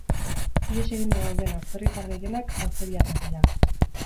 Ihes eginda dauden atzerritar gehienak aljeriarrak dira.